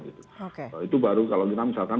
itu baru kalau kita misalkan